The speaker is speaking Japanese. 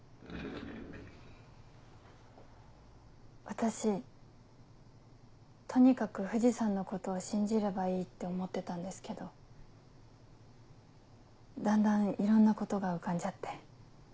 私とにかく藤さんのことを信じればいいって思ってたんですけどだんだんいろんなことが浮かんじゃって。